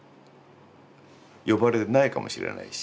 呼ばれないかもしれないし。